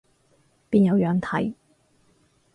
邊有樣睇